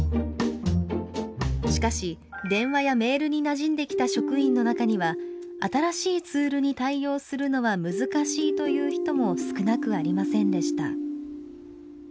しかし、電話やメールになじんできた職員の中には新しいツールに対応するのは難しいという人も少なくありませんでした。